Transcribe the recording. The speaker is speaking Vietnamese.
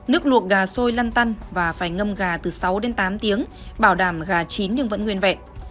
nước luộc gà xôi lăn tăn và phải ngâm gà từ sáu đến tám tiếng bảo đảm gà chín nhưng vẫn nguyên vẹn